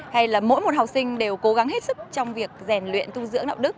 hay là mỗi một học sinh đều cố gắng hết sức trong việc rèn luyện tu dưỡng đạo đức